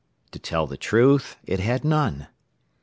To tell the truth, it had none.